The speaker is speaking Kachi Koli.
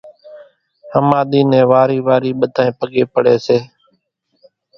ۿماۮِي نين وارِي وارِي ٻڌانئين پڳين پڙي سي